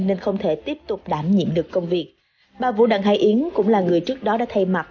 nên không thể tiếp tục đảm nhiệm được công việc bà vũ đặng hải yến cũng là người trước đó đã thay mặt